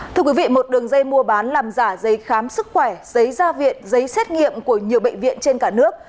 thưa quý vị một đường dây mua bán làm giả dây khám sức khỏe dây gia viện dây xét nghiệm của nhiều bệnh viện trên cả nước